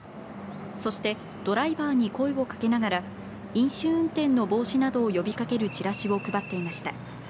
そしてドライバーに声をかけながら飲酒運転の防止などを呼びかけるチラシを配っていました。